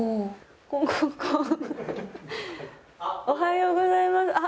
おはようございます。